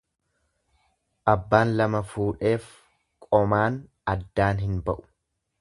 Abbaan lama fuudheef qomaan addaan hin ba'u.